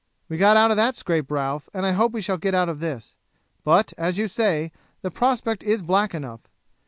"We got out of that scrape, Ralph, and I hope we shall get out of this, but, as you say, the prospect is black enough.